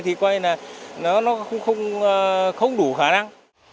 thì coi như là nó không đủ khả năng